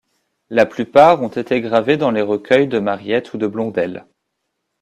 La plupart ont été gravés dans les recueils de Mariette ou de Blondel.